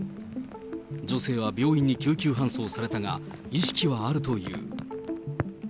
女性は病院に救急搬送されたが、意識はあるという。